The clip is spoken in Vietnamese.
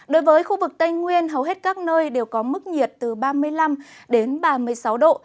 đối với khu vực tây nguyên hầu hết các nơi đều có mức nhiệt từ ba mươi năm đến ba mươi sáu độ